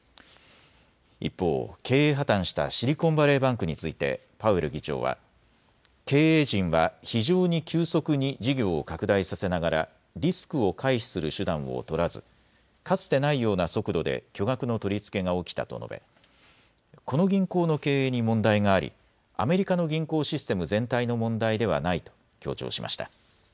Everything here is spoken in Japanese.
一方、経営破綻したシリコンバレーバンクについてパウエル議長は経営陣は非常に急速に事業を拡大させながらリスクを回避する手段を取らずかつてないような速度で巨額の取り付けが起きたと述べこの銀行の経営に問題がありアメリカの銀行システム全体の問題ではないと強調しました。